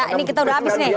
ya ini kita udah habis nih